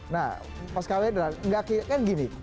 nah pas kwd kan gini